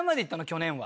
去年は。